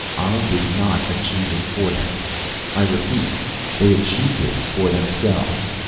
I did not achieve it for them. I repeat, they achieved it for themselves.